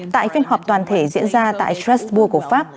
tại phiên họp toàn thể diễn ra tại strasburg của pháp